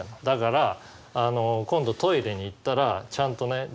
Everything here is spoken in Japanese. だから今度トイレに行ったらちゃんとね